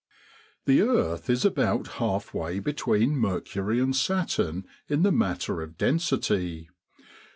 The earth is about half way between Mercury and Saturn in the matter of density.